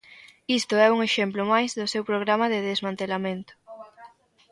Isto é un exemplo máis do seu programa de desmantelamento.